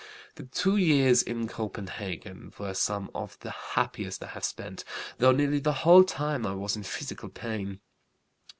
"The two years in Copenhagen were some of the happiest I have spent, though nearly the whole time I was in physical pain.